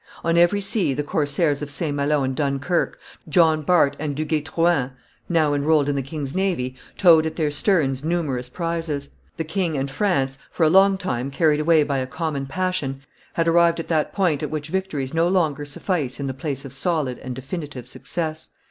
On every sea the corsairs of St. Malo and Dunkerque, John Bart and Duguay Trouin, now enrolled in the king's navy, towed at their sterns numerous prizes; the king and France, for a long time carried away by a common passion, had arrived at that point at which victories no longer suffice in the place of solid and definitive success.